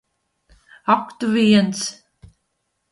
Ak tu viens!